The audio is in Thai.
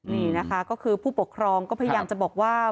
นี่นะคะก็คือผู้ปกครองก็พยายามจะบอกว่า